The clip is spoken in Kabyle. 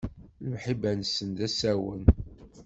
Lemḥibba-nsen, d asawen.